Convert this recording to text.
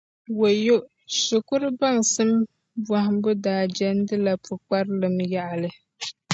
Wayo shikuru baŋsim bɔhimbu daa jɛndila pukparilim yaɣili.